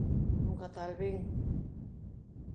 Nunca tal vin...